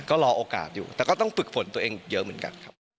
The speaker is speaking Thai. ก็รอโอกาสอยู่แต่ก็ต้องฝึกฝนตัวเองเยอะเหมือนกันครับ